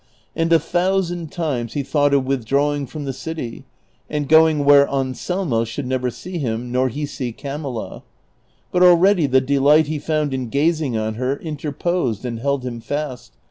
and a thou sand times he thought of withdrawing from the city and going where Anselmo should never see him nor he see Carailhx. But already the delight he found in gazing on her interposed and held him fast.